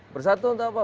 bersatu untuk apa